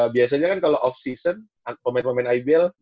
biasanya kan kalau off season pemain pemain ibl